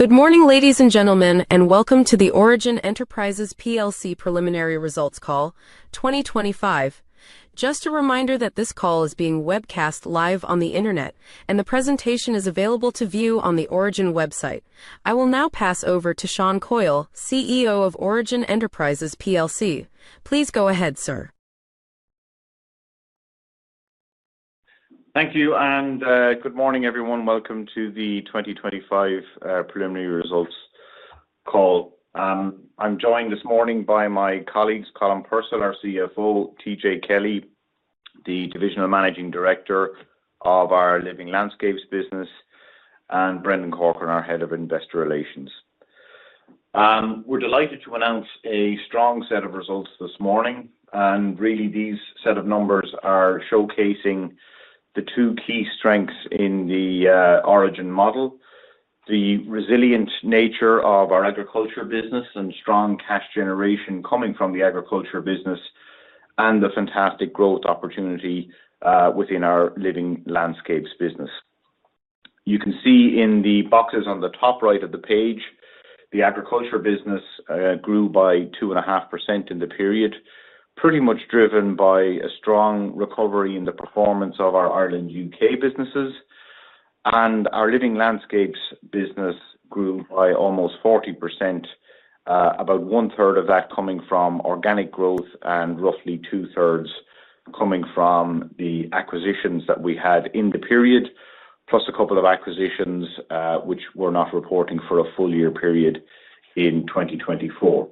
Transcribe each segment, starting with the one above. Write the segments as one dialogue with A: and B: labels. A: Good morning, ladies and gentlemen, and welcome to the Origin Enterprises PLC Preliminary Results Call 2025. Just a reminder that this call is being webcast live on the internet, and the presentation is available to view on the Origin website. I will now pass over to Sean Coyle, CEO of Origin Enterprises plc. Please go ahead, sir.
B: Thank you, and good morning, everyone. Welcome to the 2025 Preliminary Results Call. I'm joined this morning by my colleagues, Colm Purcell, our CFO, TJ Kelly, the Traditional Managing Director of our Living Landscapes business, and Brendan Corcoran, our Head of Investor Relations. We're delighted to announce a strong set of results this morning, and really, these set of numbers are showcasing the two key strengths in the Origin model: the resilient nature of our agriculture business and strong cash generation coming from the agriculture business, and the fantastic growth opportunity within our Living Landscapes business. You can see in the boxes on the top right of the page, the agriculture business grew by 2.5% in the period, pretty much driven by a strong recovery in the performance of our Ireland and U.K. businesses, and our Living Landscapes business grew by almost 40%, about 1/3 of that coming from organic growth and roughly 2/3 coming from the acquisitions that we had in the period, plus a couple of acquisitions which we're not reporting for a full year period in 2024.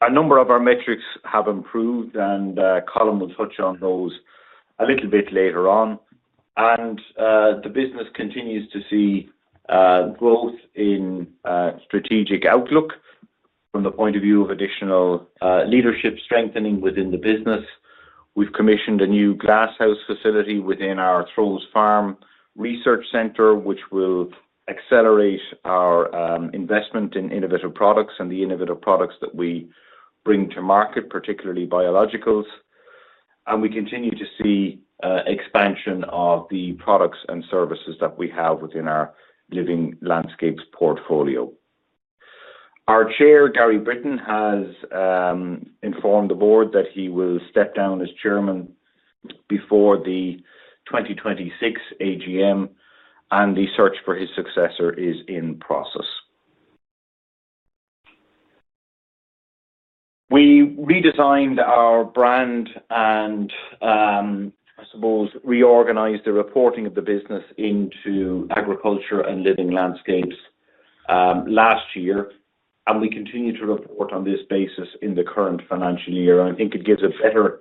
B: A number of our metrics have improved, and Colm will touch on those a little bit later on. The business continues to see growth in strategic outlook from the point of view of additional leadership strengthening within the business. We've commissioned a new glasshouse facility within our Throws Farm Research Centre, which will accelerate our investment in innovative products and the innovative products that we bring to market, particularly biologicals. We continue to see expansion of the products and services that we have within our Living Landscapes portfolio. Our Chair, Gary Britton, has informed the board that he will step down as Chairman before the 2026 AGM, and the search for his successor is in process. We redesigned our brand and, I suppose, reorganized the reporting of the business into agriculture and Living Landscapes last year, and we continue to report on this basis in the current financial year. I think it gives a better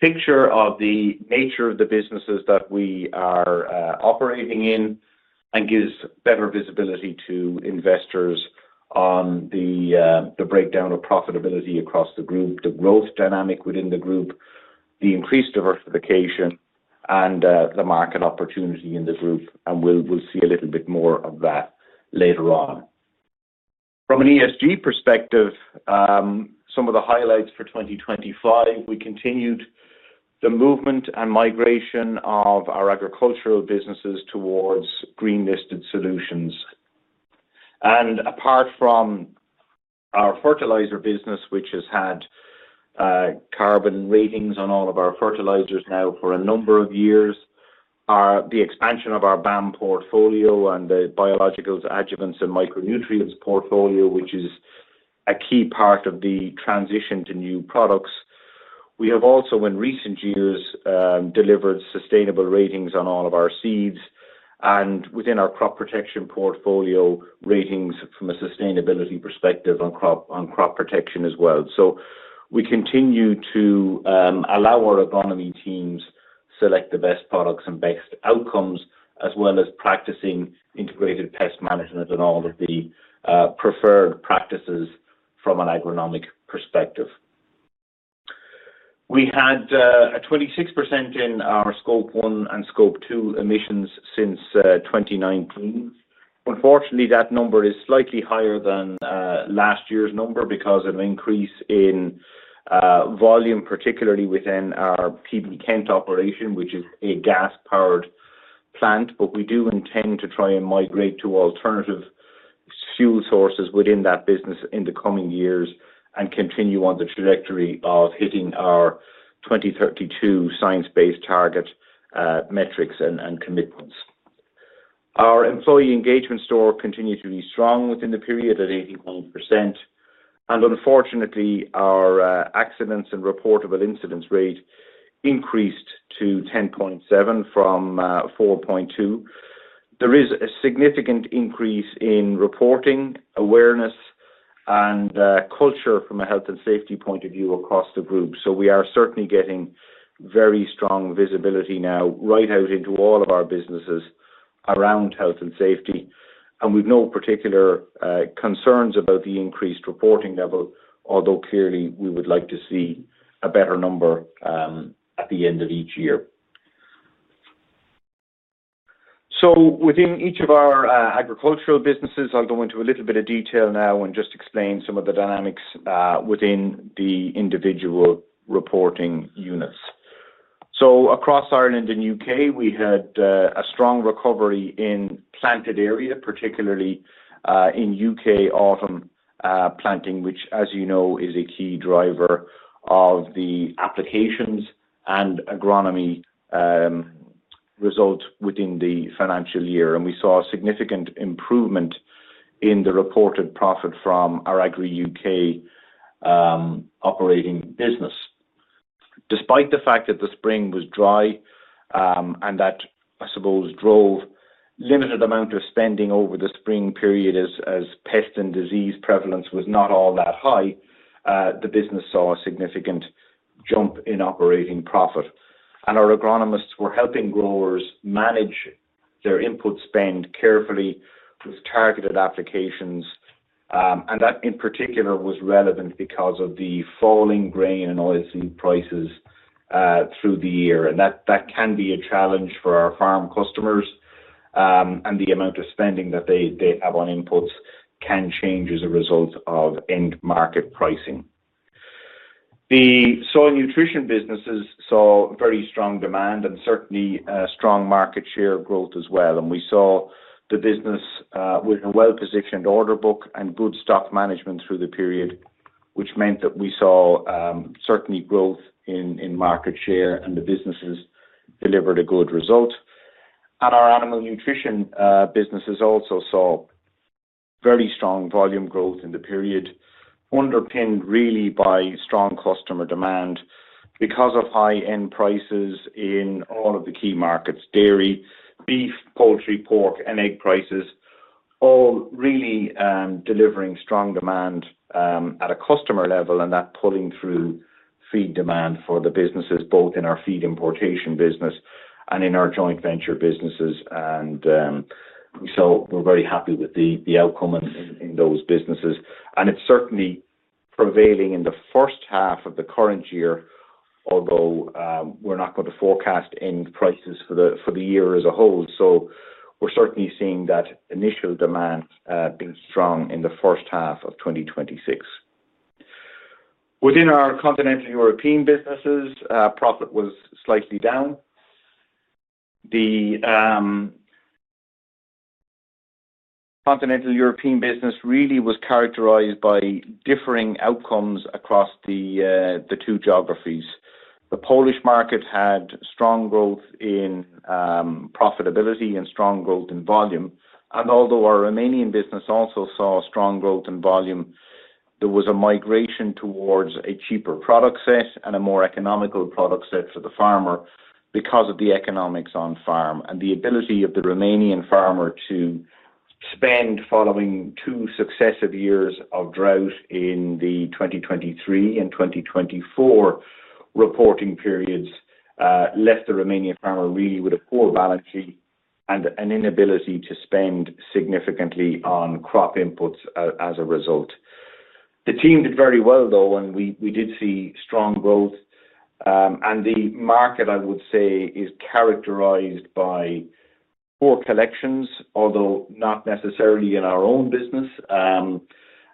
B: picture of the nature of the businesses that we are operating in and gives better visibility to investors on the breakdown of profitability across the group, the growth dynamic within the group, the increased diversification, and the market opportunity in the group. We'll see a little bit more of that later on. From an ESG perspective, some of the highlights for 2025, we continued the movement and migration of our agricultural businesses towards green-listed solutions. Apart from our fertilizer business, which has had carbon ratings on all of our fertilizers now for a number of years, the expansion of our BAM portfolio and the biologicals, adjuvants, and micronutrients portfolio, which is a key part of the transition to new products. We have also, in recent years, delivered sustainable ratings on all of our seeds and within our crop protection portfolio ratings from a sustainability perspective on crop protection as well. We continue to allow our agronomy teams to select the best products and best outcomes, as well as practicing integrated pest management and all of the preferred practices from an agronomic perspective. We had a 26% reduction in our Scope 1 and 2 emissions since 2019. Unfortunately, that number is slightly higher than last year's number because of an increase in volume, particularly within our PB Kent operation, which is a gas-powered plant. We do intend to try and migrate to alternative fuel sources within that business in the coming years and continue on the trajectory of hitting our 2032 science-based target metrics and commitments. Our employee engagement score continued to be strong within the period at 81%. Unfortunately, our accidents and reportable incidents rate increased to 10.7% from 4.2%. There is a significant increase in reporting awareness and culture from a health and safety point of view across the group. We are certainly getting very strong visibility now right out into all of our businesses around health and safety, with no particular concerns about the increased reporting level, although clearly we would like to see a better number at the end of each year. Within each of our agricultural businesses, I'll go into a little bit of detail now and just explain some of the dynamics within the individual reporting units. Across Ireland and U.K., we had a strong recovery in planted area, particularly in U.K. autumn planting, which, as you know, is a key driver of the applications and agronomy results within the financial year. We saw a significant improvement in the reported profit from our agri U.K. operating business. Despite the fact that the spring was dry and that, I suppose, drove a limited amount of spending over the spring period as pest and disease prevalence was not all that high, the business saw a significant jump in operating profit. Our agronomists were helping growers manage their input spend carefully with targeted applications. That, in particular, was relevant because of the falling grain and oil prices through the year. That can be a challenge for our farm customers. The amount of spending that they have on inputs can change as a result of end market pricing. The soil nutrition businesses saw very strong demand and certainly strong market share growth as well. We saw the business with a well-positioned order book and good stock management through the period, which meant that we saw certainly growth in market share and the businesses delivered a good result. Our animal nutrition businesses also saw very strong volume growth in the period, underpinned really by strong customer demand because of high-end prices in all of the key markets: dairy, beef, poultry, pork, and egg prices, all really delivering strong demand at a customer level and that pulling through feed demand for the businesses, both in our feed importation business and in our joint venture businesses. We are very happy with the outcome in those businesses. It is certainly prevailing in the first half of the current year, although we are not going to forecast end prices for the year as a whole. We are certainly seeing that initial demand being strong in the first half of 2026. Within our continental European businesses, profit was slightly down. The continental European business really was characterized by differing outcomes across the two geographies. The Polish market had strong growth in profitability and strong growth in volume. Although our Romanian business also saw strong growth in volume, there was a migration towards a cheaper product set and a more economical product set for the farmer because of the economics on farm and the ability of the Romanian farmer to spend following two successive years of drought in the 2023 and 2024 reporting periods left the Romanian farmer really with a poor balance sheet and an inability to spend significantly on crop inputs as a result. The team did very well, though, and we did see strong growth. The market, I would say, is characterized by poor collections, although not necessarily in our own business,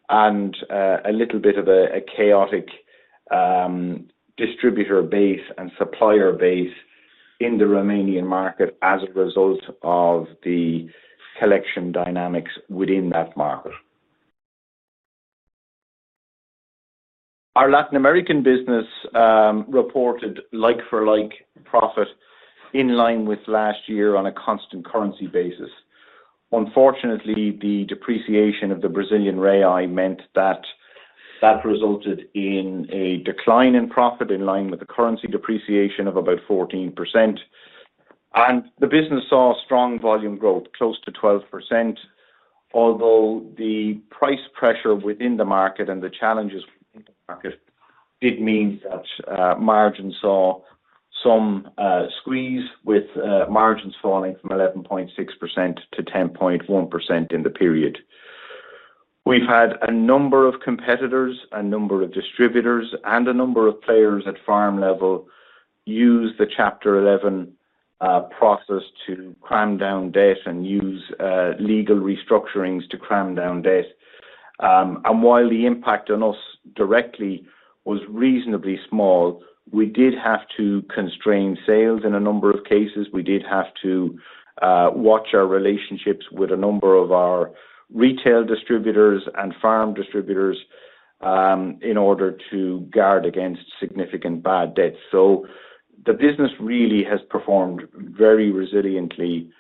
B: and a little bit of a chaotic distributor base and supplier base in the Romanian market as a result of the collection dynamics within that market. Our Latin American business reported like-for-like profit in line with last year on a constant currency basis. Unfortunately, the depreciation of the Brazilian real meant that resulted in a decline in profit in line with the currency depreciation of about 14%. The business saw strong volume growth, close to 12%, although the price pressure within the market and the challenges in the market did mean that margins saw some squeeze, with margins falling from 11.6% to 10.1% in the period. We have had a number of competitors, a number of distributors, and a number of players at farm level use the Chapter 11 process to cram down debt and use legal restructurings to cram down debt. While the impact on us directly was reasonably small, we did have to constrain sales in a number of cases. We did have to watch our relationships with a number of our retail distributors and farm distributors in order to guard against significant bad debt. The business really has performed very resiliently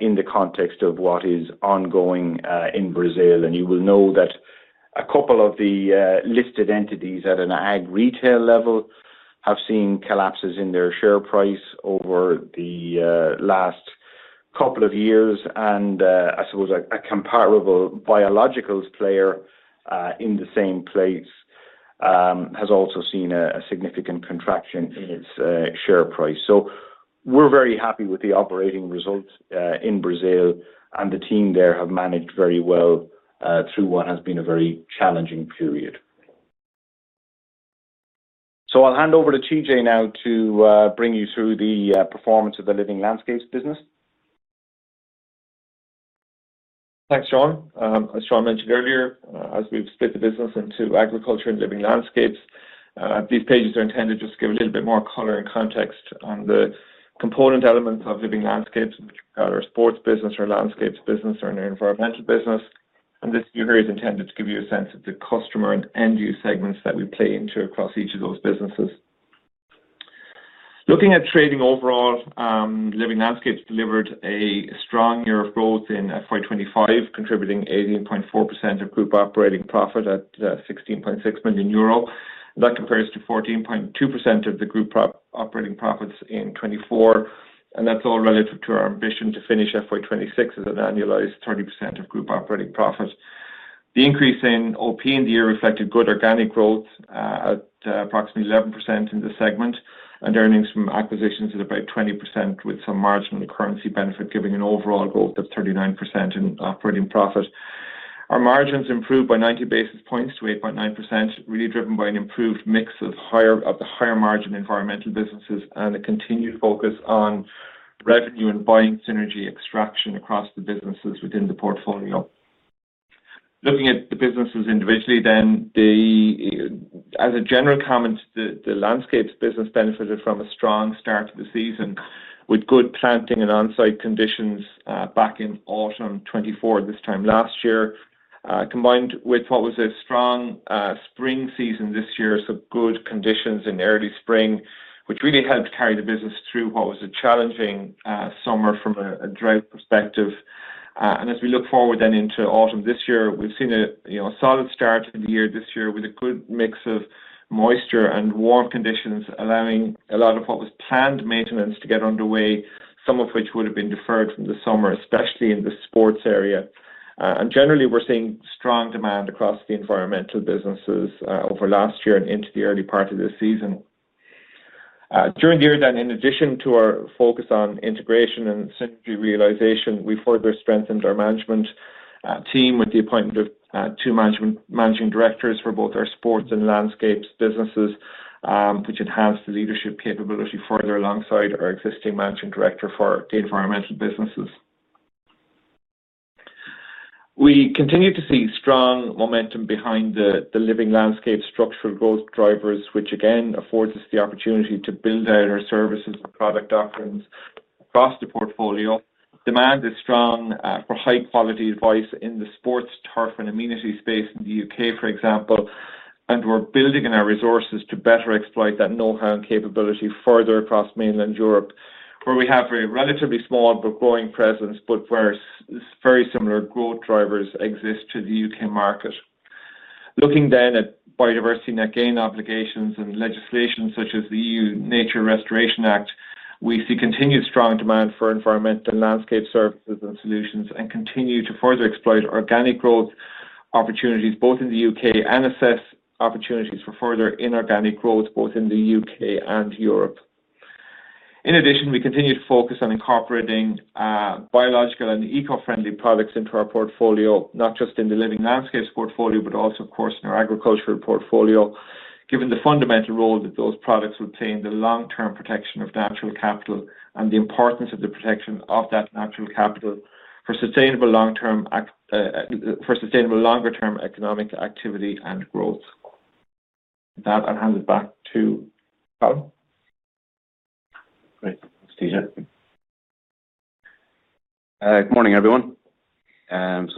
B: in the context of what is ongoing in Brazil. You will know that a couple of the listed entities at an ag retail level have seen collapses in their share price over the last couple of years. I suppose a comparable biologicals player in the same place has also seen a significant contraction in its share price. We are very happy with the operating results in Brazil, and the team there have managed very well through what has been a very challenging period. I'll hand over to TJ now to bring you through the performance of the Living Landscapes business.
C: Thanks, Sean. As Sean mentioned earlier, as we've split the business into agriculture and Living Landscapes, these pages are intended to just give a little bit more color and context on the component elements of Living Landscapes, our sports business, our landscapes business, and our environmental business. This view here is intended to give you a sense of the customer and end-use segments that we play into across each of those businesses. Looking at trading overall, Living Landscapes delivered a strong year of growth in FY 2025, contributing 18.4% of group operating profit at €16.6 million. That compares to 14.2% of the group operating profit in 2024. That's all relative to our ambition to finish FY 2026 as an annualized 30% of group operating profit. The increase in operating profit in the year reflected good organic growth at approximately 11% in the segment, and earnings from acquisitions at about 20% with some marginal currency benefit, giving an overall growth of 39% in operating profit. Our margins improved by 90 basis points to 8.9%, really driven by an improved mix of the higher margin environmental businesses and the continued focus on revenue and buying synergy extraction across the businesses within the portfolio. Looking at the businesses individually, as a general comment, the landscapes business benefited from a strong start to the season with good planting and on-site conditions back in autumn 2024 this time last year, combined with what was a strong spring season this year. Good conditions in the early spring really helped carry the business through what was a challenging summer from a drought perspective. As we look forward into autumn this year, we've seen a solid start to the year with a good mix of moisture and warm conditions, allowing a lot of what was planned maintenance to get underway, some of which would have been deferred from the summer, especially in the sports area. Generally, we're seeing strong demand across the environmental businesses over last year and into the early part of this season. During the year, in addition to our focus on integration and synergy realization, we further strengthened our management team with the appointment of two managing directors for both our sports and landscapes businesses, which enhanced the leadership capability further alongside our existing managing director for the environmental businesses. We continue to see strong momentum behind the Living Landscapes structural growth drivers, which again affords us the opportunity to build out our services and product offerings across the portfolio. Demand is strong for high-quality advice in the sports, health, and immunity space in the U.K., for example. We're building in our resources to better exploit that know-how and capability further across mainland Europe, where we have a relatively small but growing presence, but where very similar growth drivers exist to the U.K. market. Looking then at biodiversity net gain obligations and legislation such as the EU Nature Restoration Act, we see continued strong demand for environmental landscape services and solutions and continue to further exploit organic growth opportunities both in the U.K. and assess opportunities for further inorganic growth both in the U.K. and Europe. In addition, we continue to focus on incorporating biological and eco-friendly products into our portfolio, not just in the Living Landscapes portfolio, but also, of course, in our agricultural portfolio, given the fundamental role that those products will play in the long-term protection of natural capital and the importance of the protection of that natural capital for sustainable longer-term economic activity and growth. I'll hand it back to Colm.
D: Thanks, TJ. Good morning, everyone.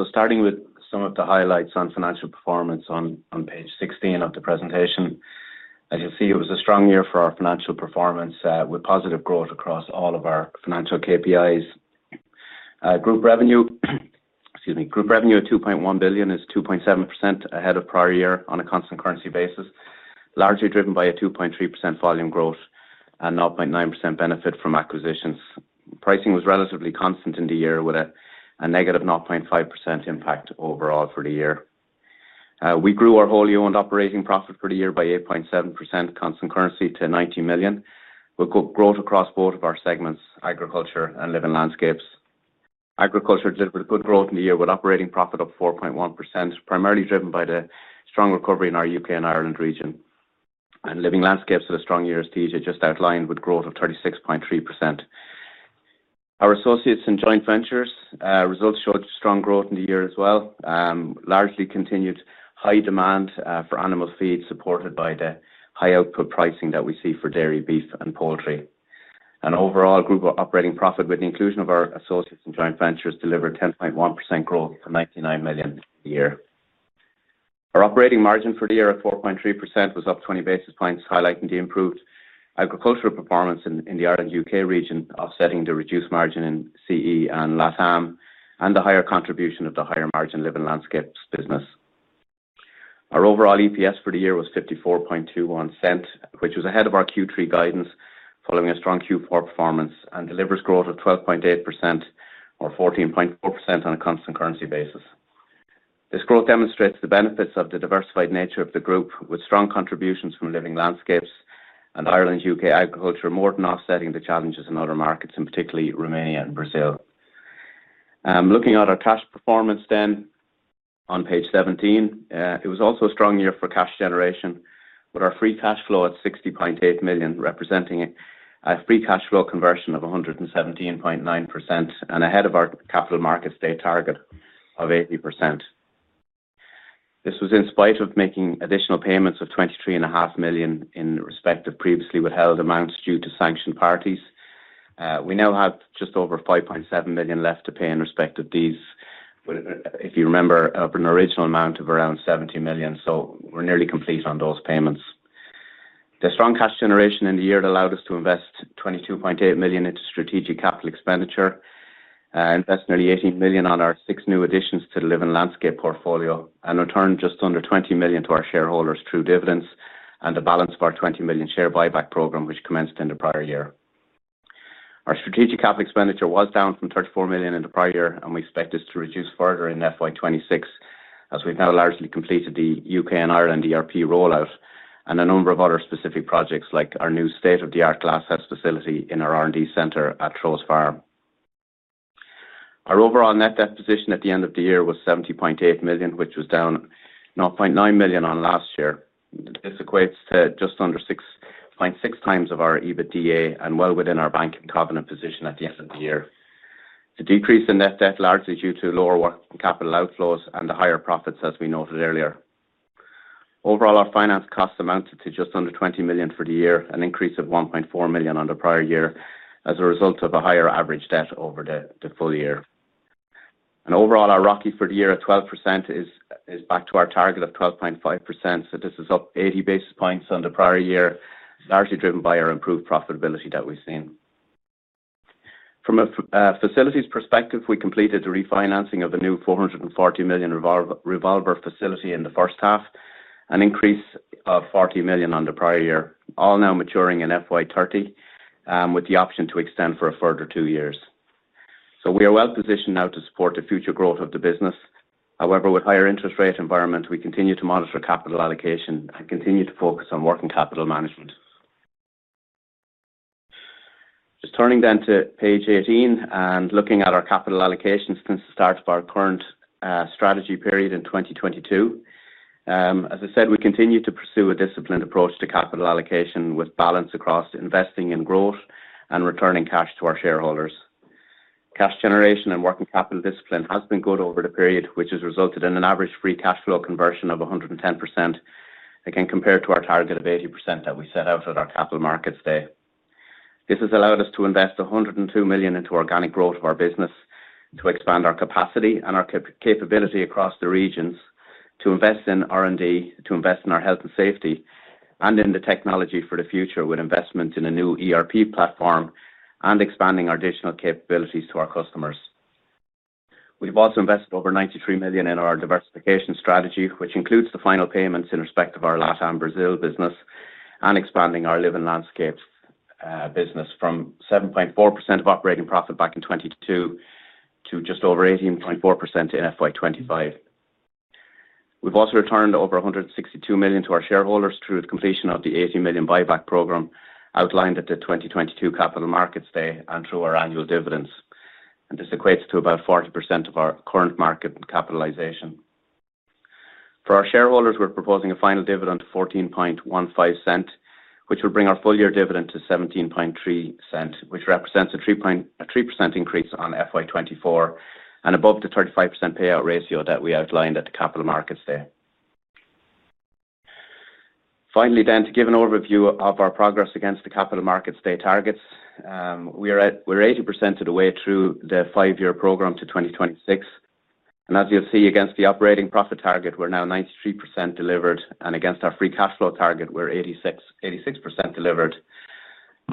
D: Starting with some of the highlights on financial performance on page 16 of the presentation, as you'll see, it was a strong year for our financial performance with positive growth across all of our financial KPIs. Group revenue of €2.1 billion is 2.7% ahead of prior year on a constant currency basis, largely driven by a 2.3% volume growth and 0.9% benefit from acquisitions. Pricing was relatively constant in the year with a negative 0.5% impact overall for the year. We grew our wholly owned operating profit for the year by 8.7% constant currency to €90 million, with growth across both of our segments, agriculture and Living Landscapes. Agriculture delivered a good growth in the year with operating profit up 4.1%, primarily driven by the strong recovery in our U.K. and Ireland region. Living Landscapes had a strong year, as TJ just outlined, with growth of 36.3%. Our associates and joint ventures results showed strong growth in the year as well, largely continued high demand for animal feed supported by the high output pricing that we see for dairy, beef, and poultry. Overall, group operating profit with the inclusion of our associates and joint ventures delivered 10.1% growth to €99 million a year. Our operating margin for the year at 4.3% was up 20 basis points, highlighting the improved agricultural performance in the Ireland and U.K. region, offsetting the reduced margin in CE and LATAM and the higher contribution of the higher margin Living Landscapes business. Our overall EPS for the year was €0.5421, which was ahead of our Q3 guidance, following a strong Q4 performance, and delivers growth of 12.8% or 14.4% on a constant currency basis. This growth demonstrates the benefits of the diversified nature of the group, with strong contributions from Living Landscapes and Ireland and U.K. agriculture, more than offsetting the challenges in other markets, in particular Romania and Brazil. Looking at our cash performance then on page 17, it was also a strong year for cash generation, with our free cash flow at €60.8 million representing a free cash flow conversion of 117.9% and ahead of our capital markets day target of 80%. This was in spite of making additional payments of €23.5 million in respect of previously withheld amounts due to sanctioned parties. We now have just over €5.7 million left to pay in respect of these, but if you remember, an original amount of around €70 million, so we're nearly complete on those payments. The strong cash generation in the year allowed us to invest €22.8 million into strategic capital expenditure, invest nearly €18 million on our six new additions to the Living Landscapes portfolio, and return just under €20 million to our shareholders through dividends and a balance of our €20 million share buyback program, which commenced in the prior year. Our strategic capital expenditure was down from €34 million in the prior year, and we expect this to reduce further in FY 2026, as we've now largely completed the U.K. and Ireland ERP rollout and a number of other specific projects like our new state-of-the-art glasshouse facility in our R&D center at Throws Farm. Our overall net debt position at the end of the year was €70.8 million, which was down €0.9 million on last year. This equates to just under 0.6x our EBITDA and well within our banking covenant position at the end of the year. The decrease in net debt was largely due to lower capital outflows and the higher profits, as we noted earlier. Overall, our finance costs amounted to just under €20 million for the year, an increase of €1.4 million on the prior year as a result of a higher average debt over the full year. Our ROCI for the year at 12% is back to our target of 12.5%. This is up 80 basis points on the prior year, largely driven by our improved profitability that we've seen. From a facilities perspective, we completed the refinancing of a new €440 million revolver facility in the first half, an increase of €40 million on the prior year, all now maturing in FY 2030, with the option to extend for a further two years. We are well positioned now to support the future growth of the business. However, with a higher interest rate environment, we continue to monitor capital allocation and continue to focus on working capital management. Turning then to page 18 and looking at our capital allocations since the start of our current strategy period in 2022, as I said, we continue to pursue a disciplined approach to capital allocation with balance across investing in growth and returning cash to our shareholders. Cash generation and working capital discipline has been good over the period, which has resulted in an average free cash flow conversion of 110%, again compared to our target of 80% that we set out at our capital markets day. This has allowed us to invest $102 million into organic growth of our business, to expand our capacity and our capability across the regions, to invest in R&D, to invest in our health and safety, and in the technology for the future with investment in a new ERP platform and expanding our additional capabilities to our customers. We've also invested over $93 million in our diversification strategy, which includes the final payments in respect of our LATAM Brazil business and expanding our Living Landscapes business from 7.4% of operating profit back in 2022 to just over 18.4% in FY 2025. We've also returned over $162 million to our shareholders through the completion of the $80 million buyback program outlined at the 2022 capital markets day and through our annual dividends. This equates to about 40% of our current market capitalization. For our shareholders, we're proposing a final dividend of $0.1415, which will bring our full year dividend to $0.173, which represents a 3% increase on FY 2024 and above the 35% payout ratio that we outlined at the capital markets day. Finally, to give an overview of our progress against the capital markets day targets, we're 80% of the way through the five-year program to 2026. As you'll see, against the operating profit target, we're now 93% delivered, and against our free cash flow target, we're 86% delivered.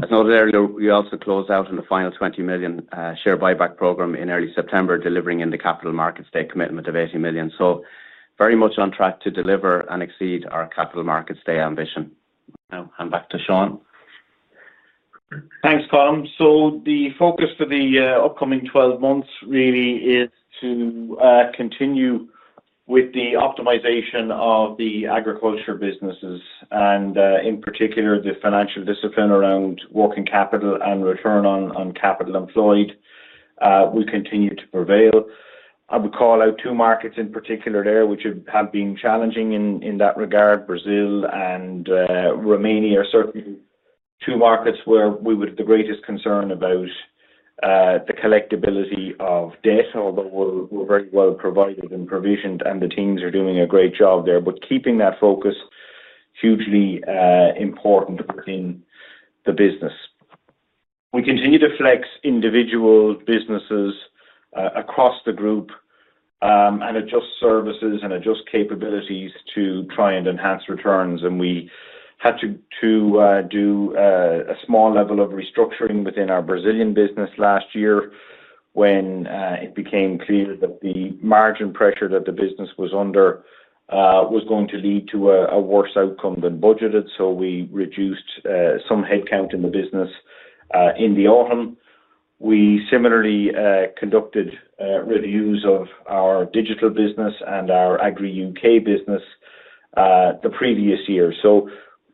D: As noted earlier, we also close out on the final $20 million share buyback program in early September, delivering in the capital markets day commitment of $80 million. Very much on track to deliver and exceed our capital markets day ambition. Now I'm back to Sean.
B: Thanks, Colm. The focus for the upcoming 12 months really is to continue with the optimization of the agriculture businesses, and in particular, the financial discipline around working capital and return on capital employed will continue to prevail. I would call out two markets in particular there which have been challenging in that regard. Brazil and Romania are certainly two markets where we would have the greatest concern about the collectability of debt, although we're very well provided and provisioned, and the teams are doing a great job there. Keeping that focus is hugely important within the business. We continue to flex individual businesses across the group and adjust services and adjust capabilities to try and enhance returns. We had to do a small level of restructuring within our Brazilian business last year when it became clear that the margin pressure that the business was under was going to lead to a worse outcome than budgeted. We reduced some headcount in the business in the autumn. We similarly conducted reviews of our digital business and our Agri U.K. business the previous year.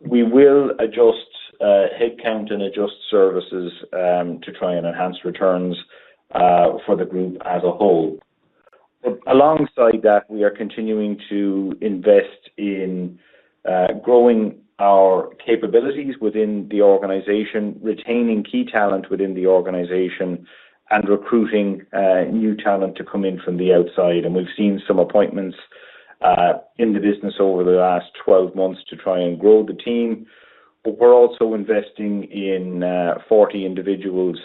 B: We will adjust headcount and adjust services to try and enhance returns for the group as a whole. Alongside that, we are continuing to invest in growing our capabilities within the organization, retaining key talent within the organization, and recruiting new talent to come in from the outside. We've seen some appointments in the business over the last 12 months to try and grow the team. We're also investing in 40 individuals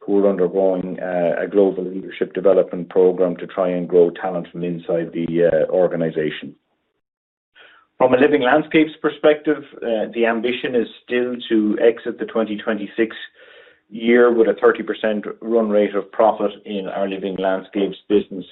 B: who are undergoing a global leadership development program to try and grow talent from inside the organization. From a Living Landscapes perspective, the ambition is still to exit the 2026 year with a 30% run rate of profit in our Living Landscapes business.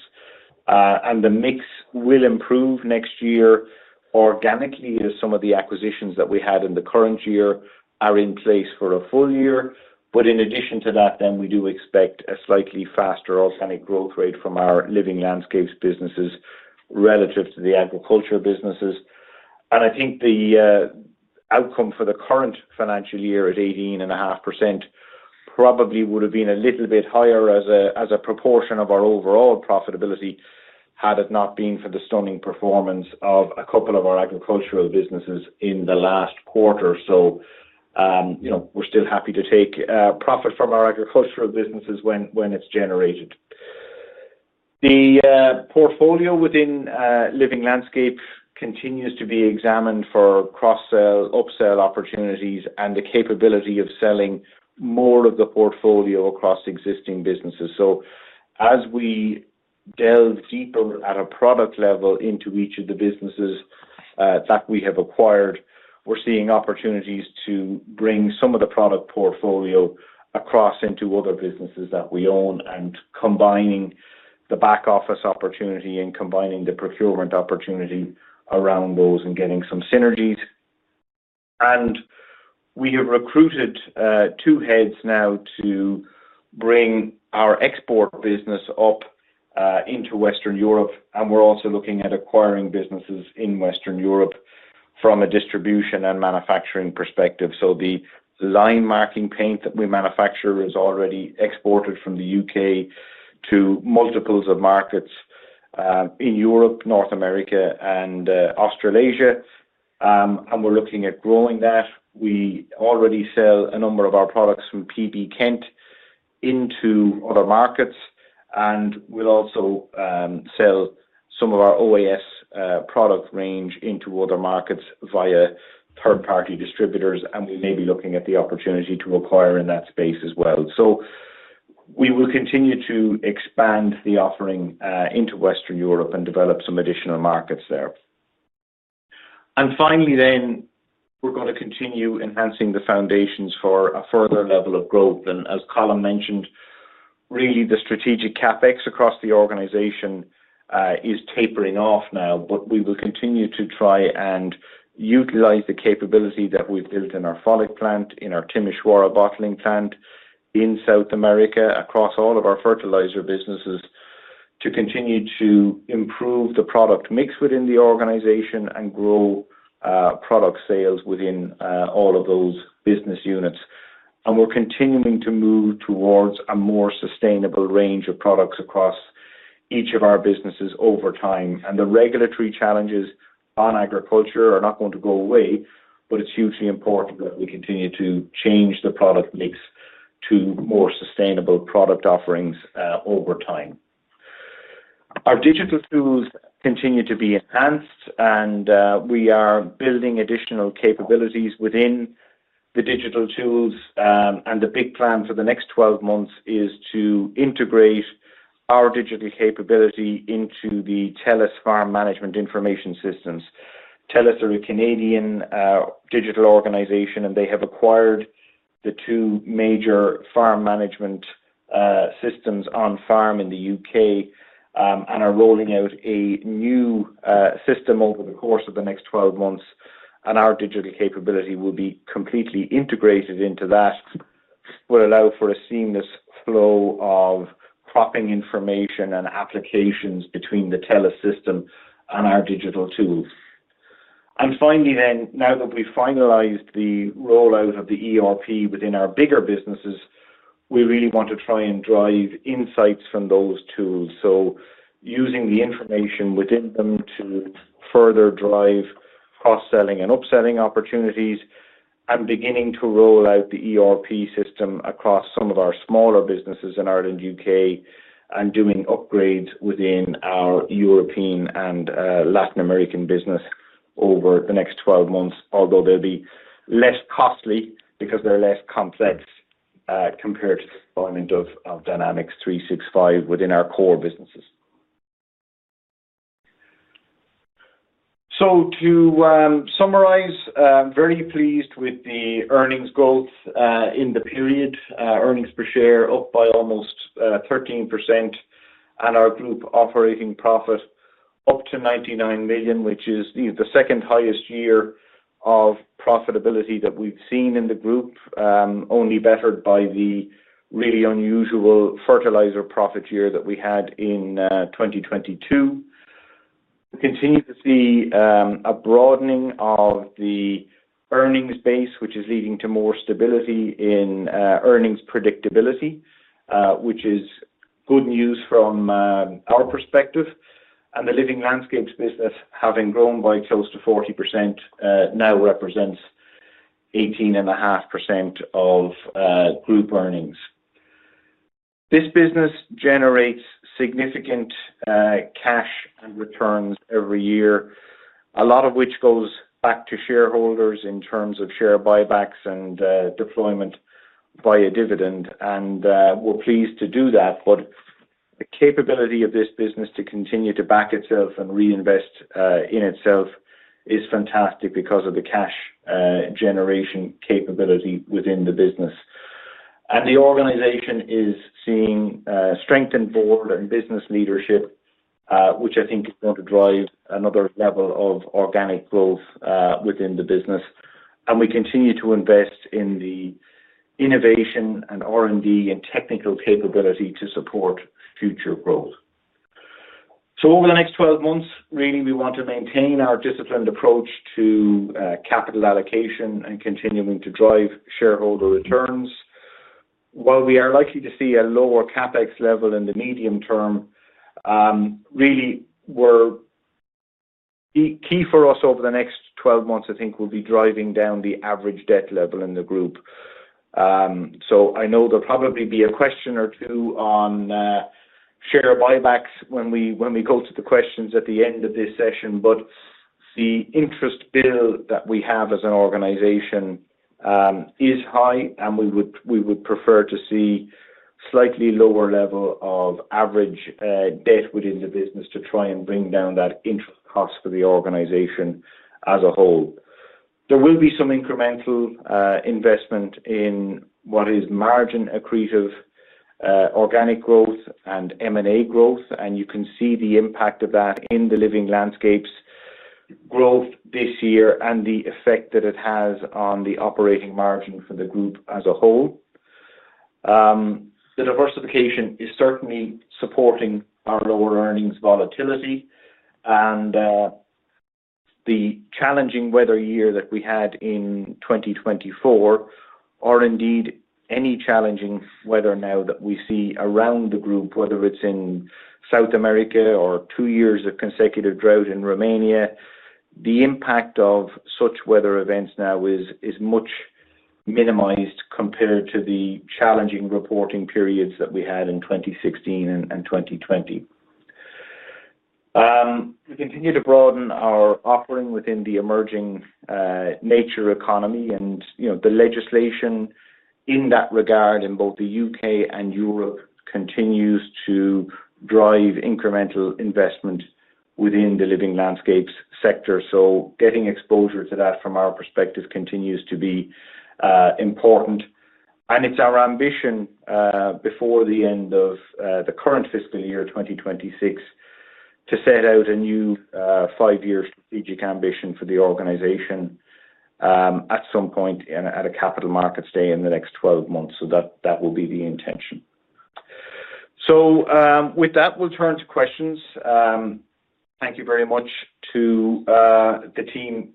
B: The mix will improve next year organically as some of the acquisitions that we had in the current year are in place for a full year. In addition to that, we do expect a slightly faster organic growth rate from our Living Landscapes businesses relative to the agricultural businesses. I think the outcome for the current financial year at 18.5% probably would have been a little bit higher as a proportion of our overall profitability had it not been for the stunning performance of a couple of our agricultural businesses in the last quarter. We're still happy to take profit from our agricultural businesses when it's generated. The portfolio within Living Landscapes continues to be examined for cross-sell, upsell opportunities, and the capability of selling more of the portfolio across existing businesses. As we delve deeper at a product level into each of the businesses that we have acquired, we're seeing opportunities to bring some of the product portfolio across into other businesses that we own, combining the back office opportunity and combining the procurement opportunity around those and getting some synergies. We have recruited two heads now to bring our export business up into Western Europe, and we're also looking at acquiring businesses in Western Europe from a distribution and manufacturing perspective. The line marking paint that we manufacture is already exported from the U.K. to multiples of markets in Europe, North America, and Australasia, and we're looking at growing that. We already sell a number of our products from PB Kent into other markets, and we'll also sell some of our OAS product range into other markets via third-party distributors, and we may be looking at the opportunity to acquire in that space as well. We will continue to expand the offering into Western Europe and develop some additional markets there. Finally, we're going to continue enhancing the foundations for a further level of growth. As Colm mentioned, really, the strategic CapEx across the organization is tapering off now, but we will continue to try and utilize the capability that we've built in our follic plant, in our Timishwara bottling plant, in South America, across all of our fertilizer businesses to continue to improve the product mix within the organization and grow product sales within all of those business units. We're continuing to move towards a more sustainable range of products across each of our businesses over time. The regulatory challenges on agriculture are not going to go away, but it's hugely important that we continue to change the product mix to more sustainable product offerings over time. Our digital tools continue to be enhanced, and we are building additional capabilities within the digital tools. The big plan for the next 12 months is to integrate our digital capability into the TELUS Farm Management Information Systems. TELUS are a Canadian digital organization, and they have acquired the two major farm management systems on farm in the U.K. and are rolling out a new system over the course of the next 12 months. Our digital capability will be completely integrated into that, which will allow for a seamless flow of cropping information and applications between the TELUS system and our digital tools. Finally, now that we've finalized the rollout of the ERP within our bigger businesses, we really want to try and drive insights from those tools. Using the information within them to further drive cross-selling and upselling opportunities and beginning to roll out the ERP system across some of our smaller businesses in Ireland and the U.K., and doing upgrades within our European and Latin American business over the next 12 months, although they'll be less costly because they're less complex compared to the deployment of Dynamics 365 within our core businesses. To summarize, I'm very pleased with the earnings growth in the period. Earnings per share are up by almost 13% and our group operating profit is up to €99 million, which is the second highest year of profitability that we've seen in the group, only bettered by the really unusual fertilizer profit year that we had in 2022. We continue to see a broadening of the earnings base, which is leading to more stability in earnings predictability, which is good news from our perspective. The Living Landscapes business, having grown by close to 40%, now represents 18.5% of group earnings. This business generates significant cash and returns every year, a lot of which goes back to shareholders in terms of share buybacks and deployment via dividend. We're pleased to do that. The capability of this business to continue to back itself and reinvest in itself is fantastic because of the cash generation capability within the business. The organization is seeing strengthened board and business leadership, which I think is going to drive another level of organic growth within the business. We continue to invest in the innovation and R&D and technical capability to support future growth. Over the next 12 months, we want to maintain our disciplined approach to capital allocation and continue to drive shareholder returns. While we are likely to see a lower CapEx level in the medium term, really, key for us over the next 12 months will be driving down the average debt level in the group. I know there'll probably be a question or two on share buybacks when we go to the questions at the end of this session. The interest bill that we have as an organization is high, and we would prefer to see a slightly lower level of average debt within the business to try and bring down that interest cost for the organization as a whole. There will be some incremental investment in what is margin-accretive organic growth and M&A growth. You can see the impact of that in the Living Landscapes growth this year and the effect that it has on the operating margin for the group as a whole. The diversification is certainly supporting our lower earnings volatility. The challenging weather year that we had in 2024 or indeed any challenging weather now that we see around the group, whether it's in South America or two years of consecutive drought in Romania, the impact of such weather events now is much minimized compared to the challenging reporting periods that we had in 2016 and 2020. We continue to broaden our offering within the emerging nature economy, and the legislation in that regard in both the U.K. and Europe continues to drive incremental investment within the Living Landscapes sector. Getting exposure to that from our perspective continues to be important. It's our ambition before the end of the current fiscal year, 2026, to set out a new five-year strategic ambition for the organization at some point and at a capital markets day in the next 12 months. That will be the intention. With that, we'll turn to questions. With that, we'll turn to questions. Thank you very much to the team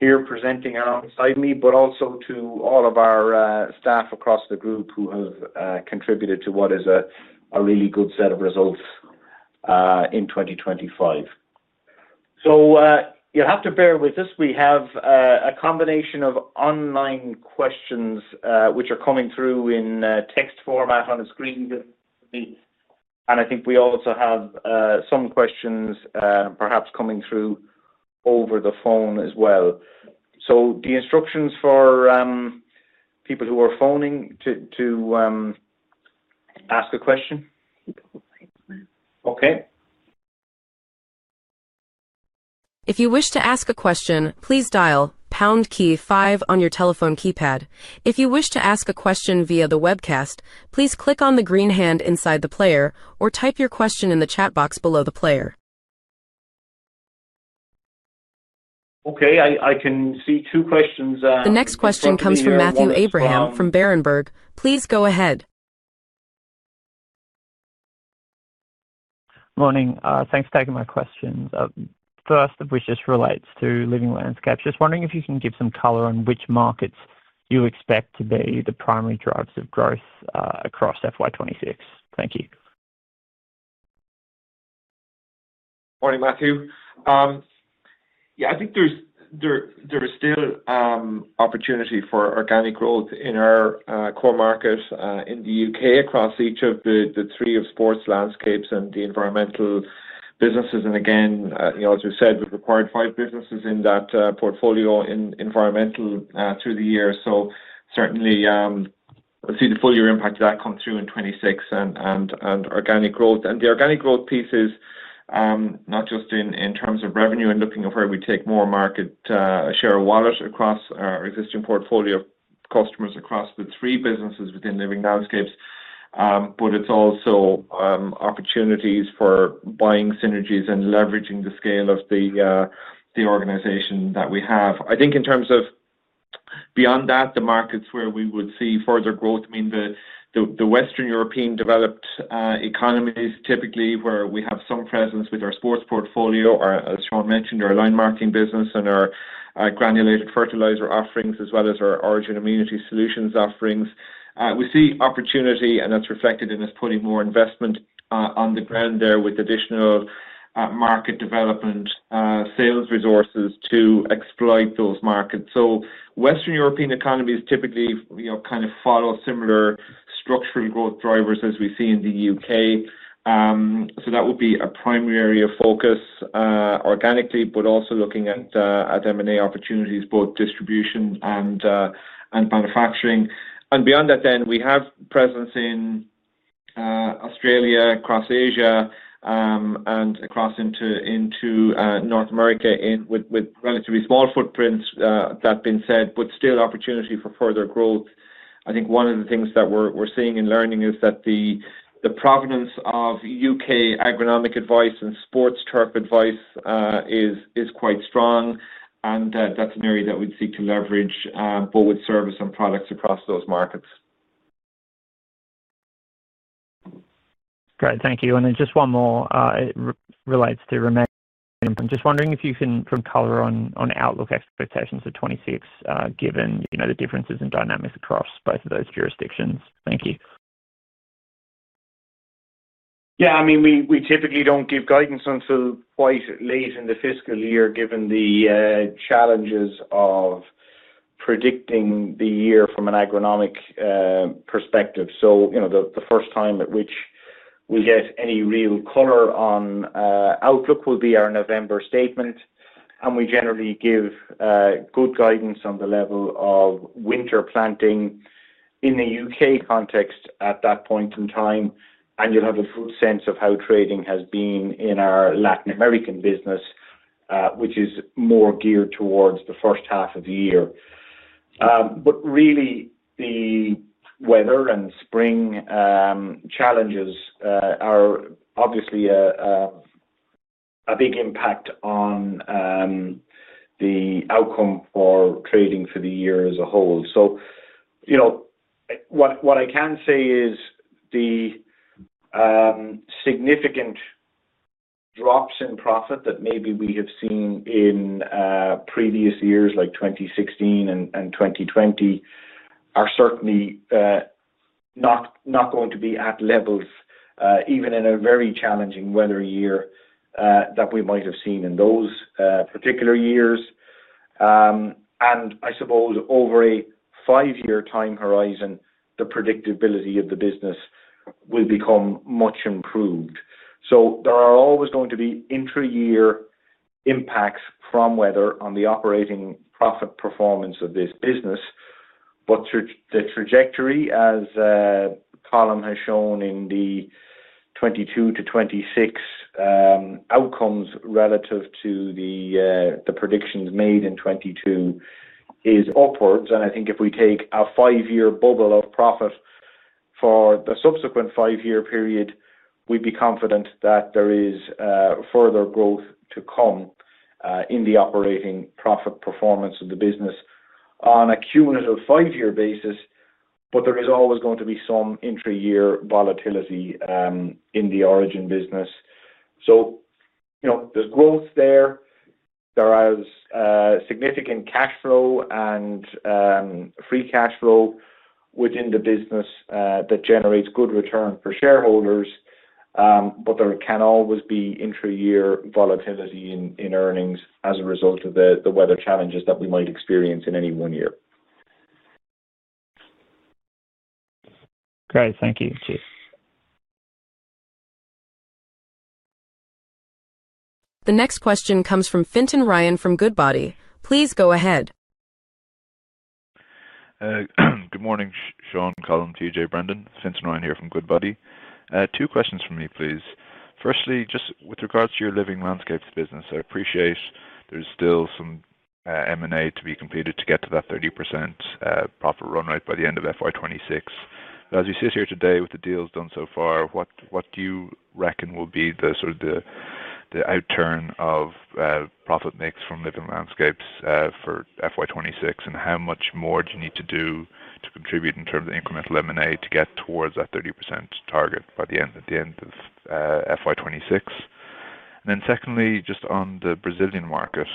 B: here presenting alongside me, but also to all of our staff across the group who have contributed to what is a really good set of results in 2025. You'll have to bear with us. We have a combination of online questions which are coming through in text format on the screen in different ways. I think we also have some questions perhaps coming through over the phone as well. The instructions for people who are phoning to ask a question.
A: If you wish to ask a question, please dial the Pound key, five on your telephone keypad. If you wish to ask a question via the webcast, please click on the green hand inside the player or type your question in the chat box below the player.
B: Okay, I can see two questions.
A: The next question comes from Matthew Abraham from Berenberg. Please go ahead.
E: Morning. Thanks for taking my question. First, which just relates to Living Landscapes, just wondering if you can give some color on which markets you expect to be the primary drivers of growth across FY 2026. Thank you.
D: Morning, Matthew. Yeah, I think there is still opportunity for organic growth in our core markets in the U.K. across each of the three of sports, landscapes, and the environmental businesses. As we said, we've acquired five businesses in that portfolio in environmental through the year. Certainly, we'll see the full year impact of that come through in 2026 and organic growth. The organic growth piece is not just in terms of revenue and looking at where we take more market share of wallet across our existing portfolio of customers across the three businesses within Living Landscapes, but it's also opportunities for buying synergies and leveraging the scale of the organization that we have. I think in terms of beyond that, the markets where we would see further growth, the Western European developed economies typically where we have some presence with our sports portfolio, or as Sean mentioned, our line marketing business and our granulated fertilizer offerings, as well as our Origin immunity solutions offerings. We see opportunity, and that's reflected in us pulling more investment on the ground there with additional market development sales resources to exploit those markets. Western European economies typically kind of follow similar structural growth drivers as we see in the U.K.. That would be a primary focus organically, but also looking at M&A opportunities, both distribution and manufacturing. Beyond that, we have presence in Australia, across Asia, and across into North America with relatively small footprints. That being said, still opportunity for further growth. I think one of the things that we're seeing and learning is that the provenance of U.K. agronomic advice and sports turf advice is quite strong, and that's an area that we'd seek to leverage, but with service and products across those markets.
E: Great, thank you. Just one more relates to Romania. I'm just wondering if you can put color on outlook expectations of 2026, given the differences in dynamics across both of those jurisdictions. Thank you.
B: Yeah, I mean, we typically don't give guidance until quite at least in the fiscal year, given the challenges of predicting the year from an agronomic perspective. The first time at which we get any real color on outlook will be our November statement. We generally give good guidance on the level of winter planting in the U.K. context at that point in time, and you'll have a full sense of how trading has been in our Latin American business, which is more geared towards the first half of the year. The weather and spring challenges are obviously a big impact on the outcome for trading for the year as a whole. What I can say is the significant drops in profit that maybe we have seen in previous years, like 2016 and 2020, are certainly not going to be at levels, even in a very challenging weather year, that we might have seen in those particular years. I suppose over a five-year time horizon, the predictability of the business will become much improved. There are always going to be inter-year impacts from weather on the operating profit performance of this business. The trajectory, as Colm has shown in the 2022-2026 outcomes relative to the predictions made in 2022, is upwards. I think if we take a five-year bubble of profit for the subsequent five-year period, we'd be confident that there is further growth to come in the operating profit performance of the business on a cumulative five-year basis. There is always going to be some inter-year volatility in the Origin business. There's growth there. There are significant cash flow and free cash flow within the business that generates good return for shareholders. There can always be inter-year volatility in earnings as a result of the weather challenges that we might experience in any one year.
E: Great, thank you.
A: The next question comes from Fintan Ryan from Goodbody. Please go ahead.
F: Good morning, Sean, Colm, TJ, Brendan. Fintan Ryan here from Goodbody. Two questions from me, please. Firstly, just with regards to your Living Landscapes business, I appreciate there's still some M&A to be completed to get to that 30% profit run rate by the end of FY2026. As we sit here today with the deals done so far, what do you reckon will be the sort of the outturn of profit mix from Living Landscapes for FY 2026? How much more do you need to do to contribute in terms of the incremental M&A to get towards that 30% target by the end of FY 2026? Secondly, just on the Brazilian market,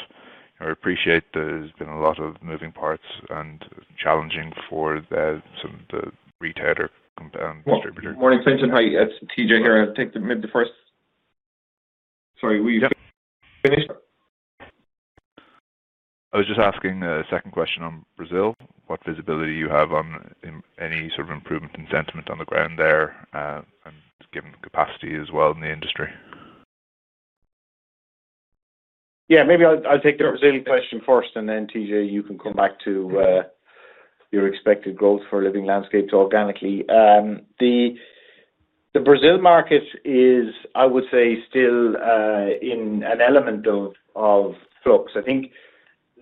F: I appreciate there's been a lot of moving parts and challenging for some of the retailer distributors.
C: Morning, Fintan Ryan, it's TJ here. I'll take the first.
B: Sorry, will you finish?
F: I was just asking a second question on Brazil. What visibility do you have on any sort of improvement in sentiment on the ground there, and given the capacity as well in the industry?
B: Yeah, maybe I'll take the Brazilian question first, and then TJ, you can come back to your expected goals for Living Landscapes organically. The Brazil market is, I would say, still in an element though of flux. I think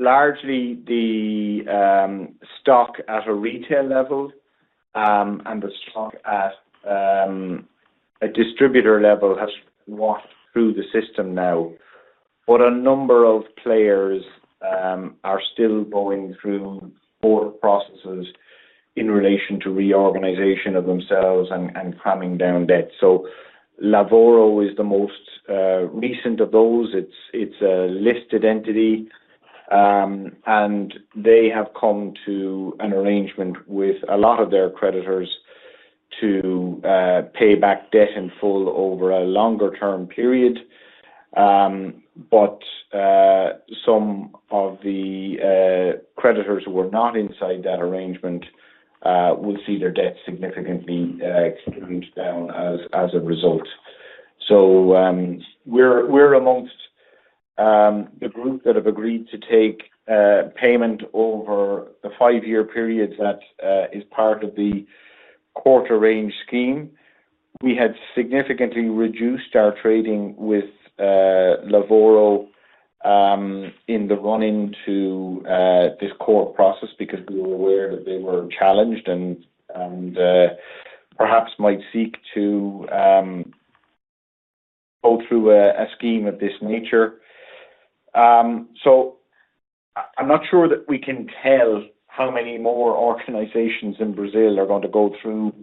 B: largely the stock at a retail level and the stock at a distributor level has walked through the system now. A number of players are still going through board processes in relation to reorganization of themselves and calming down debt. Lavoro is the most recent of those. It's a listed entity, and they have come to an arrangement with a lot of their creditors to pay back debt in full over a longer-term period. Some of the creditors who were not inside that arrangement will see their debt significantly calmed down as a result. We're amongst the group that have agreed to take payment over the five-year period that is part of the court-arranged scheme. We had significantly reduced our trading with Lavoro in the run-in to this court process because we were aware that they were challenged and perhaps might seek to go through a scheme of this nature. I'm not sure that we can tell how many more organizations in Brazil are going to go through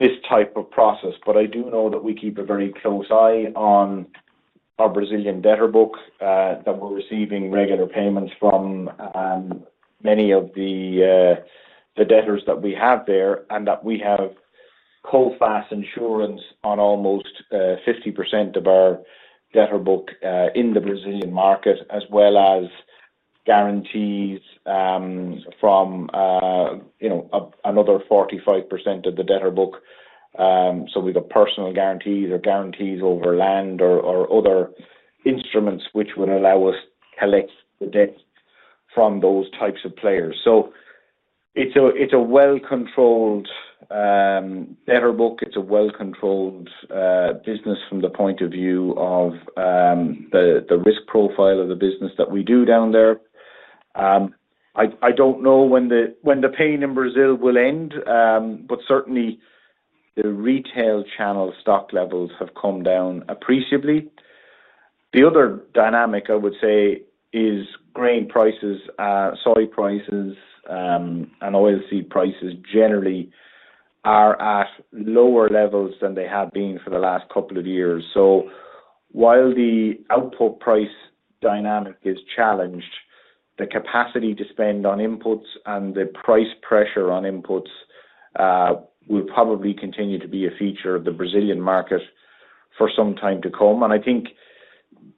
B: this type of process. I do know that we keep a very close eye on our Brazilian debtor book, that we're receiving regular payments from many of the debtors that we have there, and that we have hold-fast insurance on almost 50% of our debtor book in the Brazilian market, as well as guarantees from another 45% of the debtor book. We've got personal guarantees or guarantees over land or other instruments which would allow us to collect the debt from those types of players. It's a well-controlled debtor book. It's a well-controlled business from the point of view of the risk profile of the business that we do down there. I don't know when the pain in Brazil will end, but certainly the retail channel stock levels have come down appreciably. The other dynamic I would say is grain prices, soy prices, and oilseed prices generally are at lower levels than they have been for the last couple of years. While the output price dynamic is challenged, the capacity to spend on inputs and the price pressure on inputs will probably continue to be a feature of the Brazilian market for some time to come. I think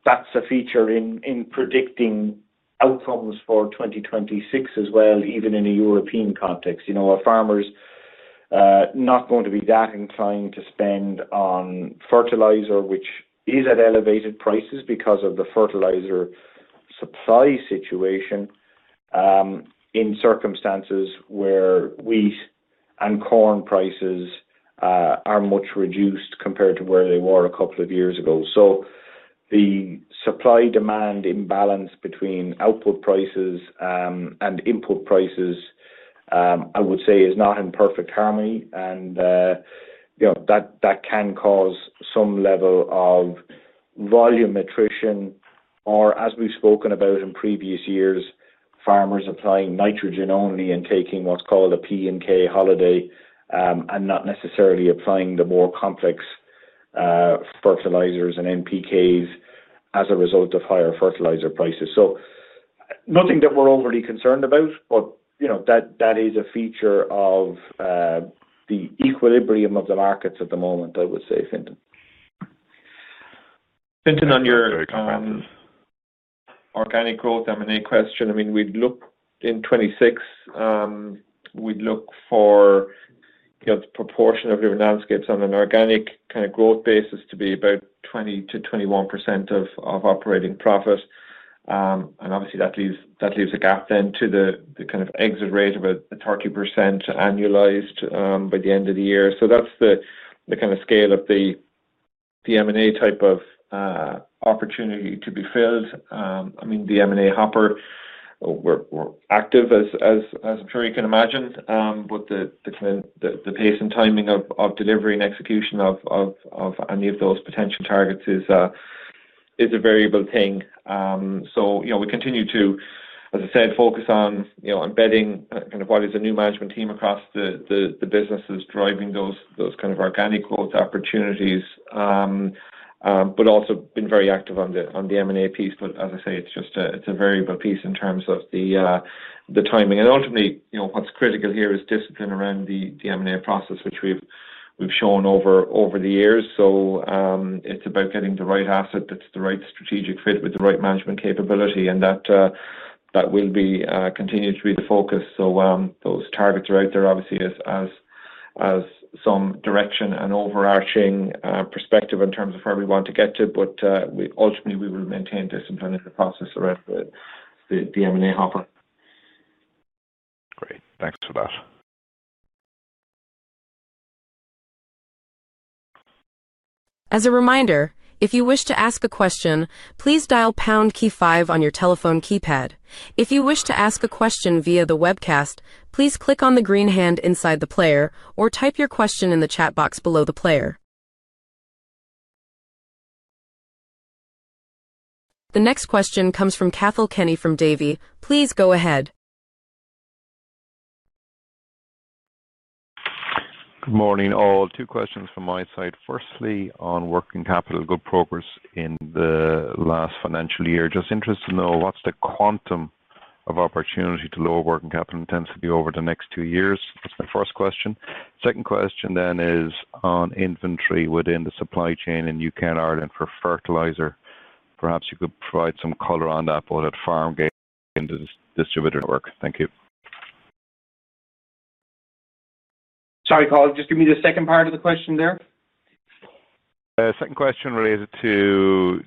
B: that's a feature in predicting outcomes for 2026 as well, even in a European context. You know, our farmers are not going to be that inclined to spend on fertilizer, which is at elevated prices because of the fertilizer supply situation, in circumstances where wheat and corn prices are much reduced compared to where they were a couple of years ago. The supply-demand imbalance between output prices and input prices, I would say, is not in perfect harmony. That can cause some level of volume attrition, or as we've spoken about in previous years, farmers applying nitrogen only and taking what's called a P and K holiday and not necessarily applying the more complex fertilizers and NPKs as a result of higher fertilizer prices. Nothing that we're overly concerned about, but that is a feature of the equilibrium of the markets at the moment, I would say.
C: Fintan, on your organic growth M&A question, we'd look in 2026, we'd look for the proportion of Living Landscapes on an organic kind of growth basis to be about 20%-21% of operating profits. Obviously, that leaves a gap then to the kind of exit rate of a 30% annualized by the end of the year. That's the kind of scale of the M&A type of opportunity to be filled. The M&A hopper, we're active, as I'm sure you can imagine, but the pace and timing of delivery and execution of any of those potential targets is a variable thing. We continue to, as I said, focus on embedding kind of what is a new management team across the businesses driving those kind of organic growth opportunities, but also being very active on the M&A piece. It's just a variable piece in terms of the timing. Ultimately, what's critical here is discipline around the M&A process, which we've shown over the years. It's about getting the right asset that's the right strategic fit with the right management capability. That will continue to be the focus. Those targets are out there, obviously, as some direction and overarching perspective in terms of where we want to get to. Ultimately, we will maintain this in front of the process around the M&A hopper.
F: Great. Thanks for that.
A: As a reminder, if you wish to ask a question, please dial Pound key, five on your telephone keypad. If you wish to ask a question via the webcast, please click on the green hand inside the player or type your question in the chat box below the player. The next question comes from Cathal Kenny from Davy. Please go ahead.
G: Morning all. Two questions from my side. Firstly, on working capital, good progress in the last financial year. Just interested to know what's the quantum of opportunity to lower working capital intensity over the next two years? That's my first question. Second question then is on inventory within the supply chain in U.K. and Ireland for fertilizer. Perhaps you could provide some color on that, both at Farmgate and the distributor network. Thank you.
B: Sorry, Cathal just give me the second part of the question there.
G: Second question related to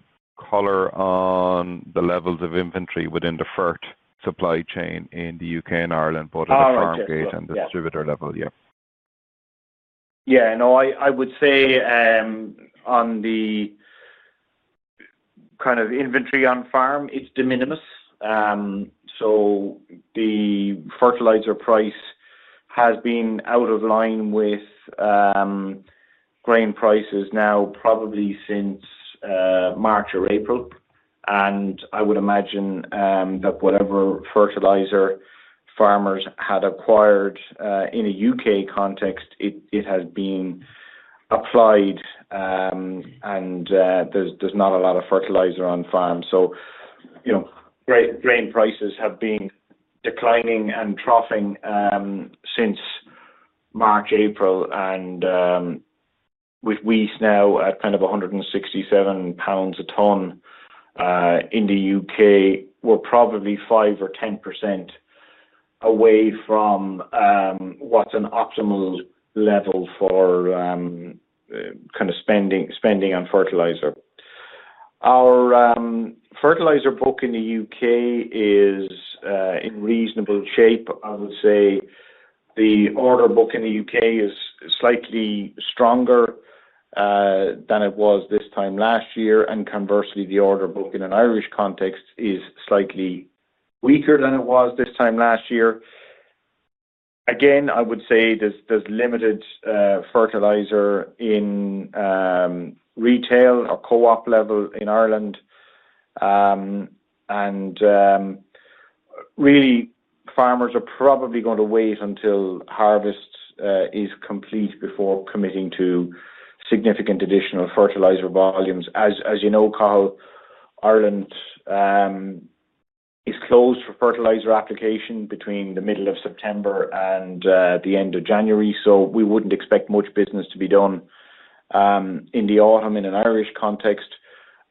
G: color on the levels of inventory within the fertilizer supply chain in the U.K. and Ireland, both at the farmgate and distributor level.
B: Yeah, no, I would say on the kind of inventory on farm, it's de minimis. The fertilizer price has been out of line with grain prices now probably since March or April. I would imagine that whatever fertilizer farmers had acquired in a U.K. context, it has been applied, and there's not a lot of fertilizer on farm. Grain prices have been declining and troughing since March, April. With wheat now at kind of £167 a ton in the U.K., we're probably 5% or 10% away from what's an optimal level for kind of spending on fertilizer. Our fertilizer book in the U.K. is in reasonable shape. I would say the order book in the U.K. is slightly stronger than it was this time last year. Conversely, the order book in an Irish context is slightly weaker than it was this time last year. Again, I would say there's limited fertilizer in retail or co-op level in Ireland. Farmers are probably going to wait until harvest is complete before committing to significant additional fertilizer volumes. As you know, Cathal, Ireland is closed for fertilizer application between the middle of September and the end of January. We wouldn't expect much business to be done in the autumn in an Irish context.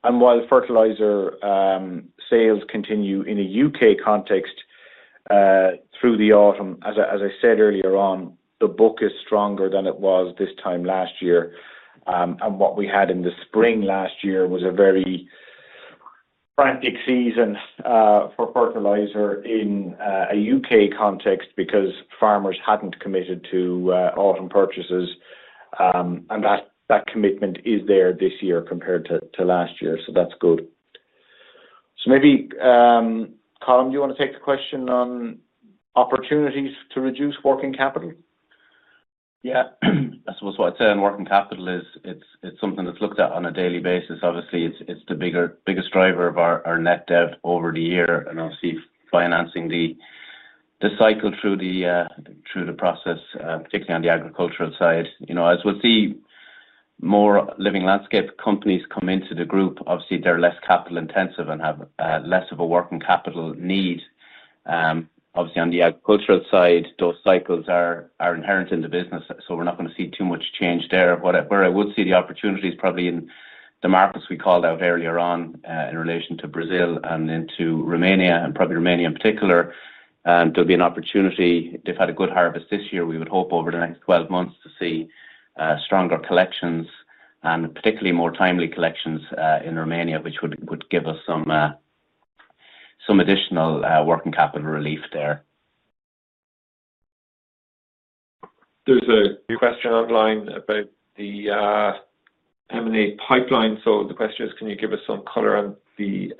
B: While fertilizer sales continue in a U.K. context through the autumn, as I said earlier on, the book is stronger than it was this time last year. What we had in the spring last year was a very frantic season for fertilizer in a U.K. context because farmers hadn't committed to autumn purchases. That commitment is there this year compared to last year. That's good. Maybe, Colm, do you want to take the question on opportunities to reduce working capital?
D: Yeah, I suppose what I'd say on working capital is it's something that's looked at on a daily basis. It's the biggest driver of our net debt over the year. Obviously, financing the cycle through the process, particularly on the agricultural side. As we'll see, more Living Landscapes companies come into the group. They're less capital intensive and have less of a working capital need. On the agricultural side, those cycles are inherent in the business. We're not going to see too much change there. Where I would see the opportunity is probably in the markets we called out earlier in relation to Brazil and into Romania, and probably Romania in particular. There'll be an opportunity. They've had a good harvest this year. We would hope over the next 12 months to see stronger collections and particularly more timely collections in Romania, which would give us some additional working capital relief there.
C: There's a question online about the M&A pipeline. The question is, can you give us some color on the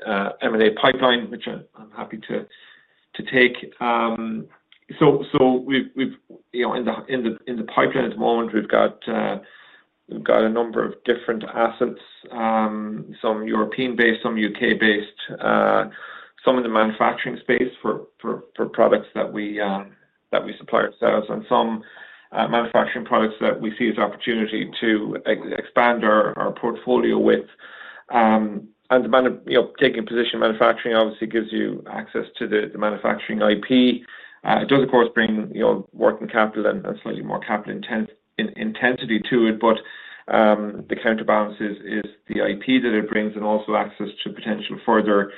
C: M&A pipeline, which I'm happy to take? In the pipeline at the moment, we've got a number of different assets, some European-based, some U.K.-based, some in the manufacturing space for products that we supply ourselves, and some manufacturing products that we see as an opportunity to expand our portfolio with. Taking a position in manufacturing obviously gives you access to the manufacturing IP. It does, of course, bring working capital and slightly more capital intensity to it, but the counterbalance is the IP that it brings and also access to potential further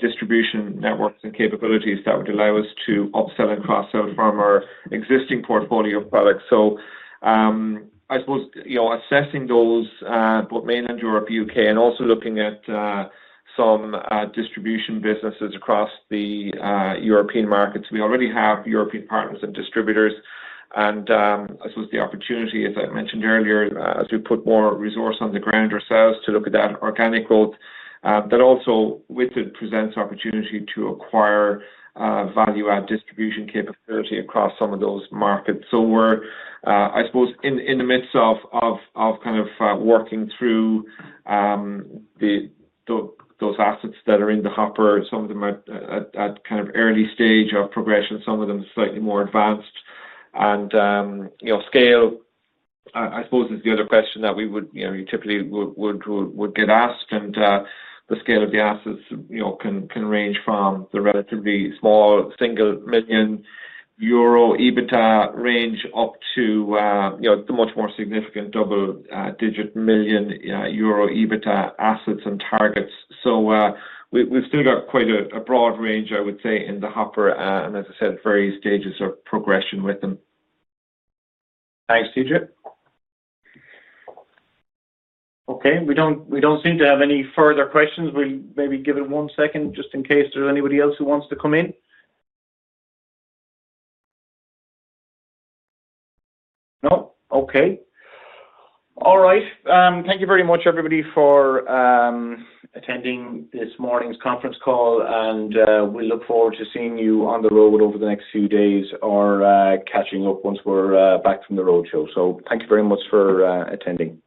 C: distribution networks and capabilities that would allow us to upsell and cross-sell from our existing portfolio of products. I suppose assessing those, both mainland Europe, U.K., and also looking at some distribution businesses across the European markets. We already have European partners and distributors. The opportunity, as I mentioned earlier, as we put more resource on the ground ourselves to look at that organic growth, also with it presents the opportunity to acquire value-add distribution capability across some of those markets. We're in the midst of working through those assets that are in the hopper, some of them at an early stage of progression, some of them slightly more advanced. Scale, I suppose, is the other question that we would typically get asked. The scale of the assets can range from the relatively small single million euro EBITDA range up to the much more significant double-digit million euro EBITDA assets and targets. We've still got quite a broad range, I would say, in the hopper, and as I said, various stages of progression with them.
B: Thanks, TJ. We don't seem to have any further questions. We'll maybe give it one second just in case there's anybody else who wants to come in. No. All right. Thank you very much, everybody, for attending this morning's conference call. We look forward to seeing you on the road over the next few days or catching up once we're back from the roadshow. Thank you very much for attending.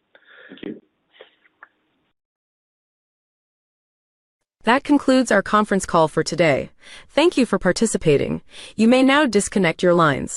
A: That concludes our conference call for today. Thank you for participating. You may now disconnect your lines.